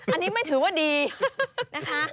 อันนี้ไม่ถือว่าดีนะคะ